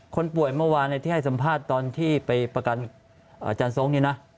คนป่วยเมื่อวานที่ให้สัมภาษณ์ตอนที่ไปประกันอาจารย์ทรงนี่นะ